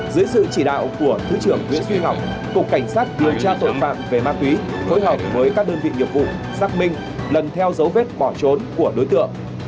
dưới sự chỉ đạo của thứ trưởng nguyễn duy ngọc cục cảnh sát điều tra tội phạm về ma túy phối hợp với các đơn vị nghiệp vụ xác minh lần theo dấu vết bỏ trốn của đối tượng